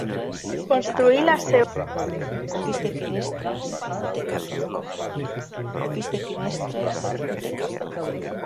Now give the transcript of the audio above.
Construí la seva casa en aquesta badia, on passà diversos hiverns abans d'abandonar novament l'illa.